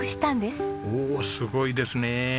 おおすごいですね。